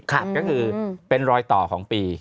ก็คือเป็นรอยต่อของปี